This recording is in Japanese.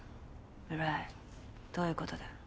村井どういうことだ。